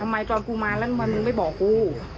ทำไมจอนมอกูมาแล้วมันไม่บอกกู